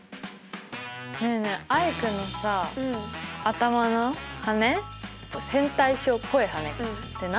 ねえねえアイクのさ頭の羽線対称っぽい羽って何の役に立つの？